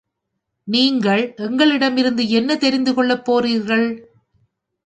நீங்கள் எங்களிடமிருந்து என்ன தெரிந்து கொள்ளப் போகிறீர்கள்?